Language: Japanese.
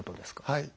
はい。